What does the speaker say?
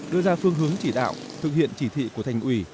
đưa ra phương hướng chỉ đạo thực hiện chỉ thị của thành ủy